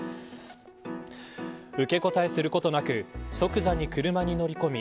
受け答えすることなく即座に車に乗り込み